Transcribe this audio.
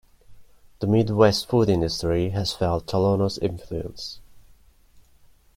The Midwest food industry has felt Tolono's influence.